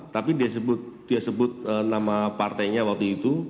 tapi dia sebut nama partainya waktu itu